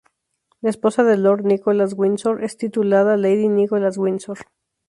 La esposa de Lord Nicholas Windsor es titulada Lady Nicholas Windsor.